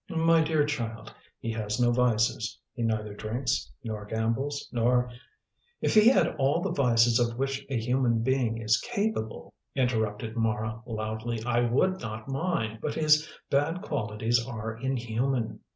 "My dear child, he has no vices. He neither drinks, nor gambles, nor " "If he had all the vices of which a human being is capable," interrupted Mara loudly, "I would not mind. But his bad qualities are inhuman.